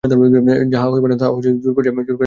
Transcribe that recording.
যাহা হইবার নয় তাহা জোর করিয়া ঘটাইয়া মঙ্গল নাই।